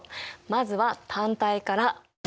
まずは単体から。